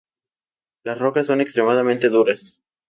Las rocas son extremadamente duras.